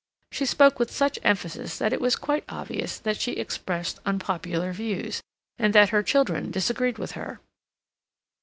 She spoke with such emphasis that it was quite obvious that she expressed unpopular views, and that her children disagreed with her.